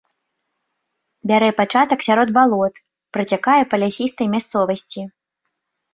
Бярэ пачатак сярод балот, працякае па лясістай мясцовасці.